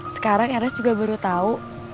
sekarang ernest juga baru tahu